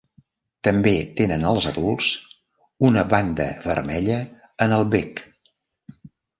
També tenen els adults una banda vermella en el bec.